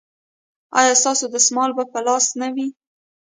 ایا ستاسو دستمال به په لاس نه وي؟